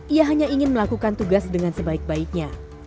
ia hanya ingin melakukan tugas dengan sebaiknya